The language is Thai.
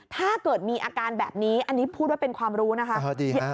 ถ้าเกิดมีอาการแบบนี้อันนี้พูดว่าเป็นความรู้นะคะ